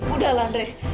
udah lah andre